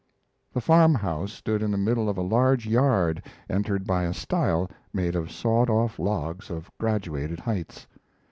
The farm house stood in the middle of a large yard entered by a stile made of sawed off logs of graduated heights.